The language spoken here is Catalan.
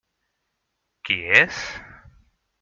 Qui és?